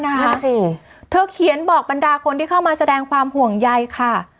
นะคะสิเธอเขียนบอกบรรดาคนที่เข้ามาแสดงความห่วงใยค่ะ